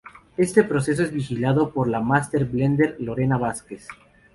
Este proceso es vigilado por la "master blender" Lorena Vázquez.